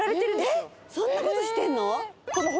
えっそんなことしてんの！？